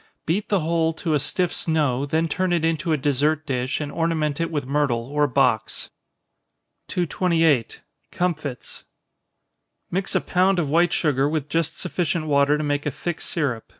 Beat the whole to a stiff snow, then turn it into a dessert dish, and ornament it with myrtle or box. 228. Comfits. Mix a pound of white sugar with just sufficient water to make a thick syrup.